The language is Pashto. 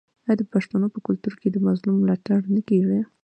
آیا د پښتنو په کلتور کې د مظلوم ملاتړ نه کیږي؟